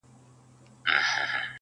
نن دي سترګي سمي دمي میکدې دي ،